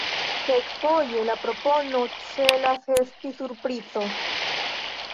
Kelkfoje la propono celas esti surprizo.